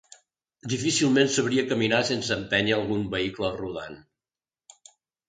Difícilment sabria caminar sense empènyer algun vehicle rodant.